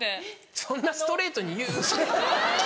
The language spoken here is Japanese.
そんなストレートに言う？